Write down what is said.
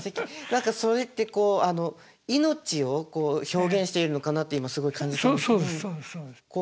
何かそれって命を表現しているのかなって今すごい感じたんですけど。